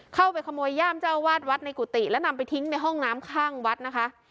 เข้าไปขโมยย่ามเจ้าวาดวัดในกุฏิและนำไปทิ้งในห้องน้ำข้างวัดนะคะ